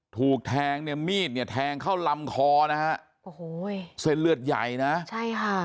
ถูกแทงเนี่ยมีดเนี่ยแทงเข้าลำคอนะฮะโอ้โหเส้นเลือดใหญ่นะใช่ค่ะ